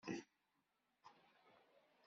Ur d-tsawala ara.